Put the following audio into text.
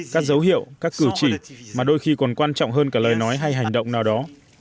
các dấu hiệu các cử chỉ mà đôi khi còn quan trọng hơn cả lời nói hay hành động nào đó